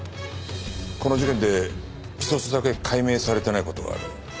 この事件で一つだけ解明されてない事がある。